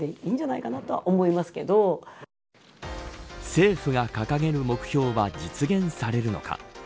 政府が掲げる目標は実現されるのか。